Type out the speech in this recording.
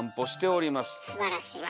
すばらしい。